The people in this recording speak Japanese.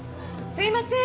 すいません。